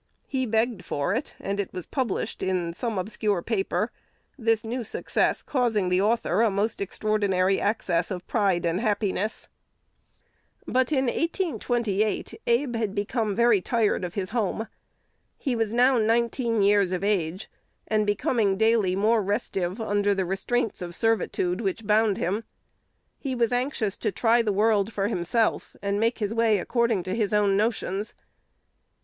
"He begged for it," and it was published in some obscure paper; this new success causing the author a most extraordinary access of pride and happiness. But in 1828 Abe had become very tired of his home. He was now nineteen years of age, and becoming daily more restive under the restraints of servitude which bound him. He was anxious to try the world for himself, and make his way according to his own notions.